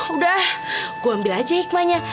udah gue ambil aja hikmahnya